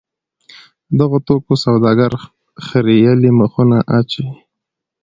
د دغو توکو سوداګر خریېلي مخونه اچوي.